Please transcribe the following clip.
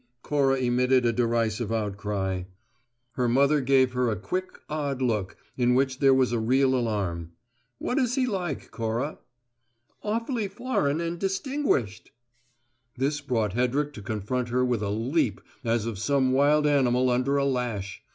Cora emitted a derisive outcry. Her mother gave her a quick, odd look, in which there was a real alarm. "What is he like, Cora?" "Awfully foreign and distinguished!" This brought Hedrick to confront her with a leap as of some wild animal under a lash.